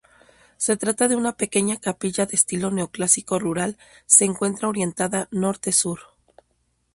Se trata de una pequeña capilla de estilo neoclásico rural se encuentra orientada norte-sur.